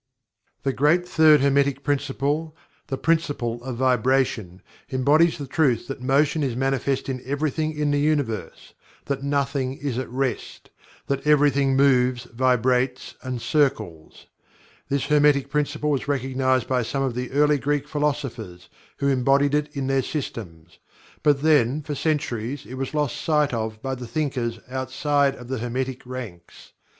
The great Third Hermetic Principle the Principle of Vibration embodies the truth that Motion is manifest in everything in the Universe that nothing is at rest that everything moves, vibrates, and circles. This Hermetic Principle was recognized by some of the early Greek philosophers who embodied it in their systems. But, then, for centuries it was lost sight of by the thinkers outside of the Hermetic ranks.